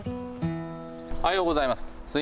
おはようございます。